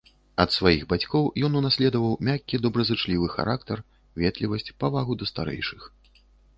Ад сваіх бацькоў ён унаследаваў мяккі, добразычлівы характар, ветлівасць, павагу да старэйшых.